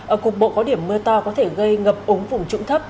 ở cục bộ có điểm mưa to có thể gây ngập ống vùng trụng thấp